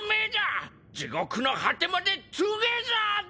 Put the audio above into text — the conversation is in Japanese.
地獄の果てまでトゥゲザーだ！